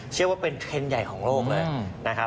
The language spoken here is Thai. ถือว่าเป็นเทรนด์ใหญ่ของโลกเลยนะครับ